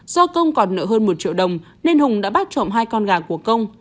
do công còn nợ hơn một triệu đồng nên hùng đã bắt trộm hai con gà của công